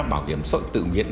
bảo hiểm sội tử nguyện